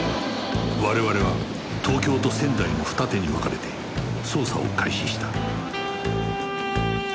我々は東京と仙台の二手に分かれて捜査を開始した